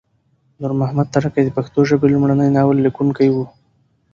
نور محمد ترکی د پښتو ژبې لمړی ناول لیکونکی وه